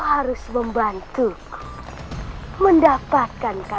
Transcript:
kau makan makanan itu